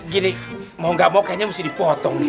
gini mau gak mau kayaknya mesti dipotong nih